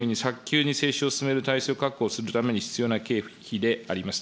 接種協力金自体は全国民に早急に接種を進める体制を確保するために必要な経費であります。